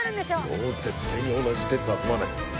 もう絶対に同じ轍は踏まない。